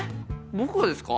僕がですか？